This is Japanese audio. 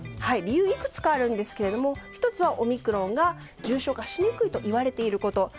理由はいくつかあるんですけども１つはオミクロンが重症化しにくいといわれていること。